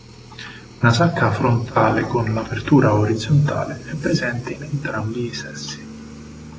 Una sacca frontale con l'apertura orizzontale è presente in entrambi i sessi.